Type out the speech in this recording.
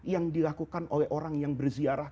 yang dilakukan oleh orang yang berziarah